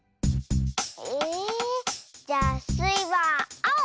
えじゃあスイはあお！